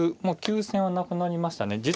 まあ急戦はなくなりましたね。